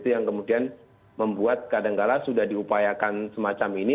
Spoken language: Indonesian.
yang kemudian membuat kadang kadang sudah diupayakan semacam ini